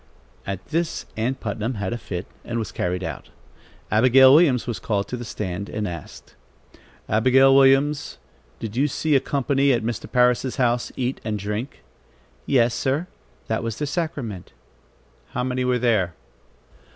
At this, Ann Putnam had a fit and was carried out. Abigail Williams was called to the stand and asked: "Abigail Williams, did you see a company at Mr. Parris' house eat and drink?" "Yes sir; that was their sacrament." "How many were there?"